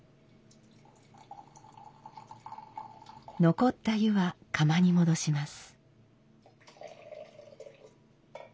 残った湯は釜に戻します。